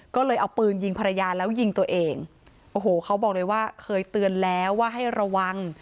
ก็เลยเอาปืนยิงภรรยาแล้วยิงตัวเองโอ้โหเขาบอกเลยว่าเคยเตือนแล้วว่าให้ระวัง